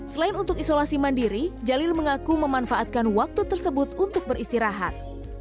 selain untuk isolasi mandiri jalil mengaku memanfaatkan waktu tersebut untuk beristirahat